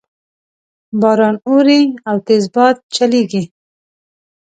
باران اوري او تیز باد چلیږي